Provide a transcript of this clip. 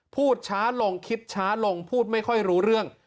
พูดช้าลงคิดช้าลงพูดไม่ค่อยรู้เรื่อง